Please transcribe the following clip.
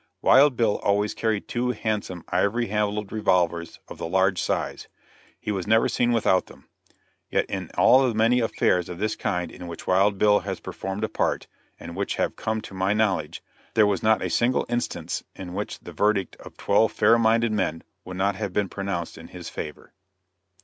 Wild Bill always carried two handsome ivory handled revolvers of the large size; he was never seen without them.... Yet in all the many affairs of this kind in which Wild Bill has performed a part, and which have come to my knowledge, there was not a single instance in which the verdict of twelve fair minded men would not have been pronounced in his favor."